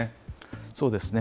そうですね。